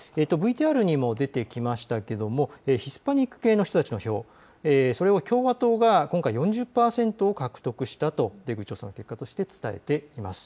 ＶＴＲにも出てきましたがヒスパニック系の人たちの票、それを共和党が今回４０％を獲得したと出口調査の結果として伝えています。